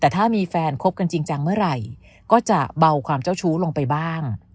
แต่ถ้ามีแฟนคบกันจริงจังเมื่อไหร่ก็จะเบาความเจ้าชู้ลงไปบ้าง